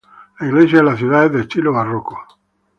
La iglesia de la ciudad es de estilo barroco.